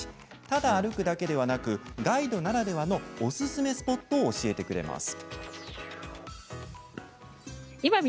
ただ歩くだけではなくガイドならではのおすすめスポットを教えてくれます。